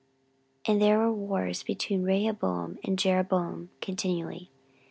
And there were wars between Rehoboam and Jeroboam continually.